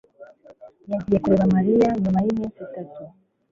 yagiye kureba Mariya nyuma yiminsi itatu.